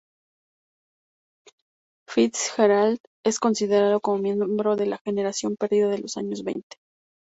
Fitzgerald es considerado miembro de la Generación Perdida de los años veinte.